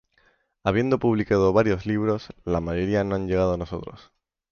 Habiendo publicando varios libros, la mayoría no han llegado a nosotros.